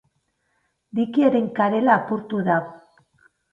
Dikearen karela apurtu da.